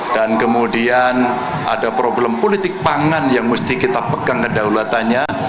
dan kemudian ada problem politik pangan yang mesti kita pegang ke daulatannya